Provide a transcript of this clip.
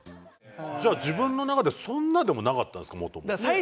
じゃあ自分の中でそんなでもなかったんですか？